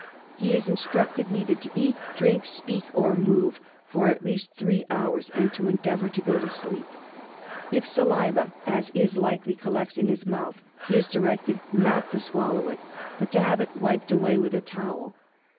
He is instructed neither to eat, drink, speak, or move for at least three hours, and to endeavour to go to sleep. If saliva, as is likely, collects in his mouth, he is directed not to swallow it but to have it wiped away with a towel.